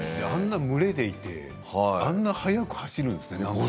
あんな群れでいてあんなに速く走るんですね。